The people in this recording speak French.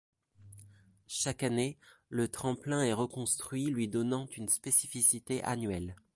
Chaque année, le tremplin est reconstruit lui donnant une spécificité annuelle.